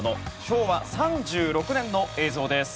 昭和３６年の映像です。